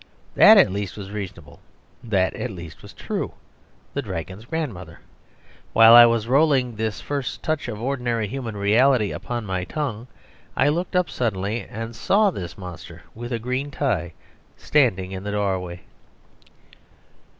That at least was reasonable; that at least was true. "The Dragon's Grandmother!" While I was rolling this first touch of ordinary human reality upon my tongue, I looked up suddenly and saw this monster with a green tie standing in the doorway.